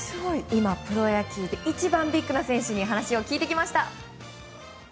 今、プロ野球で一番ビッグな選手に話を聞いてきました。